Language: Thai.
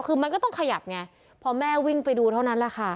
คือมันก็ต้องขยับไงพอแม่วิ่งไปดูเท่านั้นแหละค่ะ